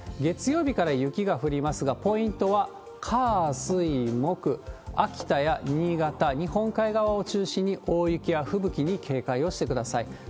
月曜日から雪が降りますが、ポイントは、火、水、木、秋田や新潟、日本海側を中心に大雪や吹雪に警戒をしてください。